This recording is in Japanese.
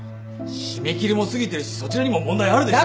締め切りも過ぎてるしそちらにも問題あるでしょう。